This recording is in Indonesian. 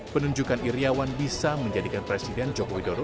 penunjukan iryawan bisa menjadikan presiden joko widodo